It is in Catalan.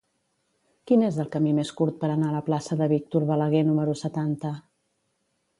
Quin és el camí més curt per anar a la plaça de Víctor Balaguer número setanta?